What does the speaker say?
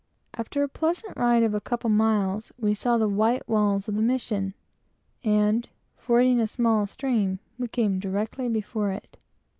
After a pleasant ride of a couple of miles, we saw the white walls of the mission, and fording a small river, we came directly before it.